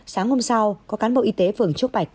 sáng hôm sau có cán bộ y tế phường trúc bạch